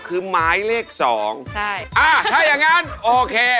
คือไม้เลขสองอ่ะถ้าอย่างนั้นโอเค